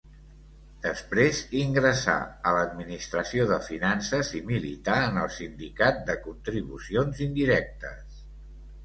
Després ingressà a l'administració de finances i milità en el Sindicat de Contribucions Indirectes.